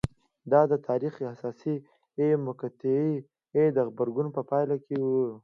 دا د تاریخ حساسې مقطعې ته د غبرګون په پایله کې وه